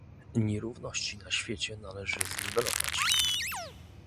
Nierówności na świecie należy zniwelować